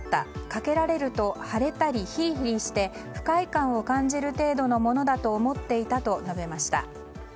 かけられると腫れたりヒリヒリしたりして不快感を感じる程度のものだと思っていたと述べました。